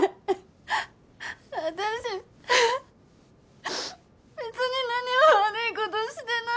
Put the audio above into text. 私別に何も悪いことしてない。